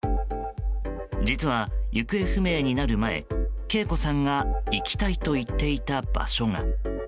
実は、行方不明になる前敬子さんが行きたいと言っていた場所が。